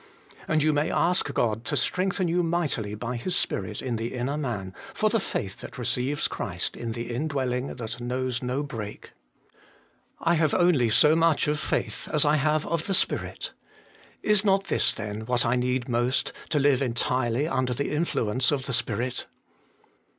And you may ask God tc strengthen you mightily by His Spirit in the inner man, for the faith that receives Christ in the indwelling that knows no break. 3. I have only so much of faith as I have of the Spirit. Is not this then what I most need to Hue entirely under the influence of the Spirit